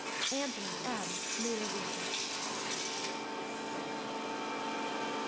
ANTHONY M. LUDOVICI.